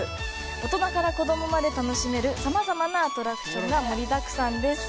大人から子供まで楽しめるさまざまなアトラクションが盛りだくさん！